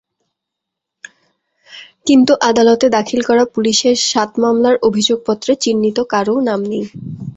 কিন্তু আদালতে দাখিল করা পুলিশের সাত মামলার অভিযোগপত্রে চিহ্নিত কারও নাম নেই।